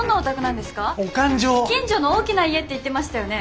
近所の大きな家って言ってましたよね。